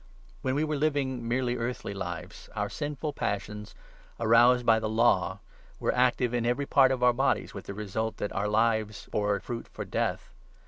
When we were 5 living merely earthly lives, our sinful passions, aroused by the Law, were active in every part of our bodies, with the result that our lives bore fruit for Death.